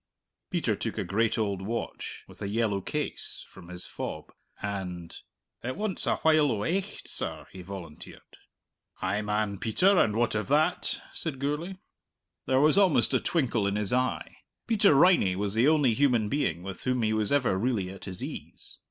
Peter took a great old watch, with a yellow case, from his fob, and, "It wants a while o' aicht, sir," he volunteered. "Ay, man, Peter, and what of that?" said Gourlay. There was almost a twinkle in his eye. Peter Riney was the only human being with whom he was ever really at his ease.